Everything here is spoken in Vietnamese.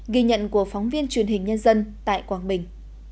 ghi nhận của phóng viên truyền hình nhân dân tại quảng bình